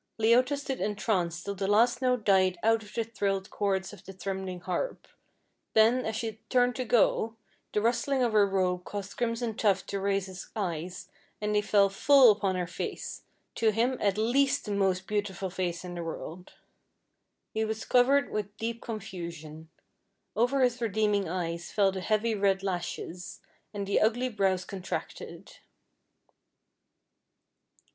Leota stood entranced till the last note died out of the thrilled chords of the trembling harp, then, as she turned to go, the rustling of her robe caused Crimson Tuft to raise his eyes, and they fell full upon her face, to him at least the most beautiful face in the world. He was covered with deep confusion. Over his redeeming eyes fell the heavy red lashes, and the ugly brows contracted.